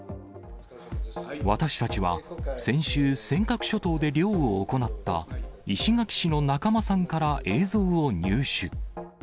私たちは、先週、尖閣諸島で漁を行った石垣市の仲間さんから映像を入手。